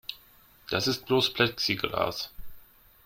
Das ist bloß Plexiglas.